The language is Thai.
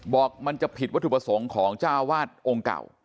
บอกมันจะผิดวัตถุประสงค์ของเจ้าวาดองค์เก่า